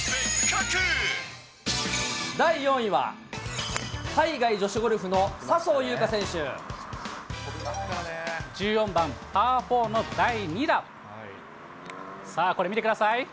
第４位は、海外女子ゴルフの笹生優花選手。１４番パー４の第２打。さあ、これ見てください。